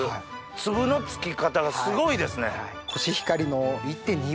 粒の付き方がすごいですね。